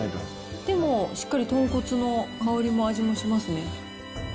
でも、しっかり豚骨の香りも味もしますね。